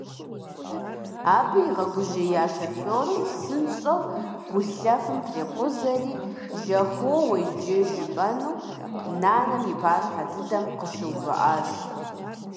Абы игъэгужьея шофёрым псынщӀэу гулъэфым трикъузэри, «жьэхоуэ иджы!» жыпӀэну нанэм и пащхьэ дыдэм къыщыувыӀащ.